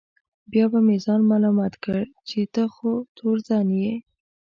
بیا به مې ځان ملامت کړ چې ته خو تورزن یې.